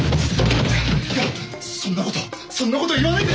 いやそんなことそんなこと言わないで。